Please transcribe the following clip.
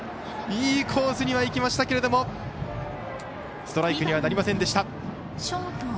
いいコースにはいきましたけどもストライクにはなりませんでした。